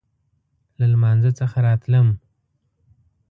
له لمانځه څخه راتلم.